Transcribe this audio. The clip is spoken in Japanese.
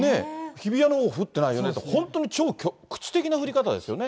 日比谷のほう降ってないよねとか、本当に超局地的な降り方ですよね。